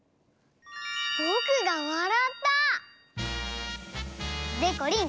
ぼくがわらった！でこりん